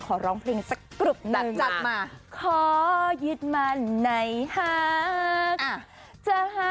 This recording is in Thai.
ขอหยิดมาไหนหัก